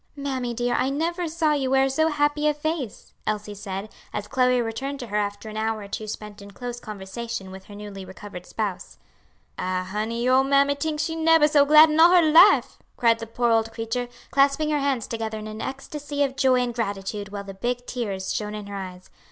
"Mammy dear, I never saw you wear so happy a face," Elsie said, as Chloe returned to her after an hour or two spent in close conversation with her newly recovered spouse. "Ah, honey, your ole mammy tinks she neber so glad in all her life!" cried the poor old creature, clasping her hands together in an ecstasy of joy and gratitude while the big tears shone in her eyes.